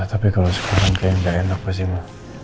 tapi kalau sekarang kayak nggak enak pasti ma